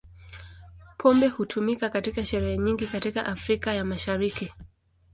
Pombe hutumika katika sherehe nyingi katika Afrika ya Mashariki.